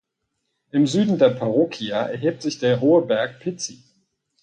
Im Süden der Parroquia erhebt sich der hohe Berg Pizhi.